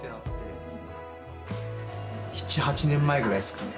７８年前ぐらいですかね。